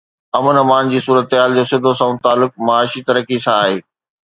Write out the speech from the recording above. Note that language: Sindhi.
امن امان جي صورتحال جو سڌو سنئون تعلق معاشي ترقي سان آهي.